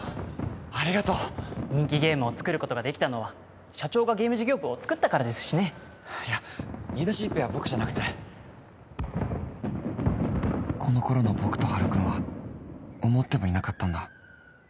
ありがとう人気ゲームを作ることができたのは社長がゲーム事業部をつくったからですしねいや言い出しっぺは僕じゃなくてこの頃の僕とハルくんは思ってもいなかったんだ